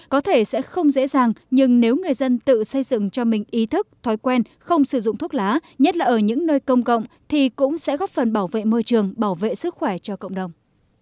có thể sẽ không dễ dàng nhưng nếu người dân tự xây dựng cho mình ý thức thói quen không sử dụng thuốc lá nhất là ở những nơi công cộng thì cũng sẽ góp phần bảo vệ môi trường bảo vệ sức khỏe cho cộng đồng